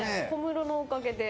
小室のおかげで。